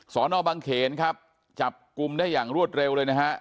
สอนอบังเขนครับจับกลุ่มได้อย่างรวดเร็วเลยนะฮะ